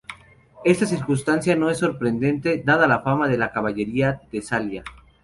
Esta circunstancia no es sorprendente dada la fama de la caballería tesalia.